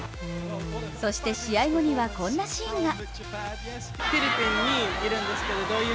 そして試合後には、こんなシーンが。